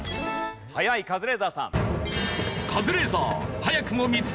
早いカズレーザーさん。